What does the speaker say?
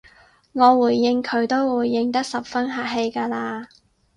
我回應佢都回應得十分客氣㗎喇